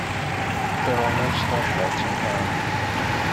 There are no stoplights in town.